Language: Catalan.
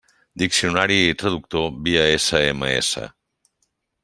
Diccionari i traductor via SMS.